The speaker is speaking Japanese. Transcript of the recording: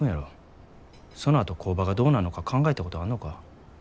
そのあと工場がどうなんのか考えたことあんのか？